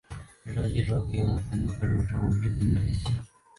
这种技术也可以用来判断各个种的生物之间的关系。